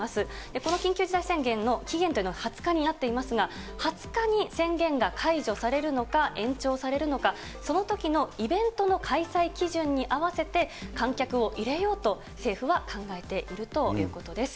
この緊急事態宣言の期限というのが２０日になっていますが、２０日に宣言が解除されるのか延長されるのか、そのときのイベントの開催基準に合わせて、観客を入れようと政府は考えているということです。